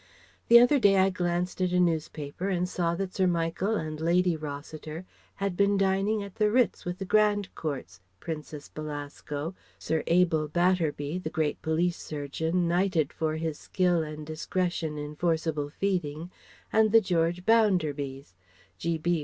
The other day I glanced at a newspaper and saw that Sir Michael and Lady Rossiter had been dining at the Ritz with the Grandcourts, Princess Belasco, Sir Abel Batterby, the great Police Surgeon, knighted for his skill and discretion in forcible feeding, and the George Bounderbys (G.B.